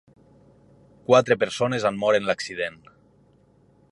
Quatre persones han mort en l’accident.